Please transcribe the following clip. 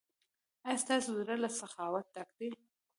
ایا ستاسو زړه له سخاوت ډک دی؟